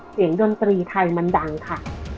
เสียงดนตรีไทยมันดังค่ะ